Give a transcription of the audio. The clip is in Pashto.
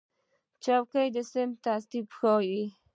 چوکۍ د صنف ترتیب ښیي.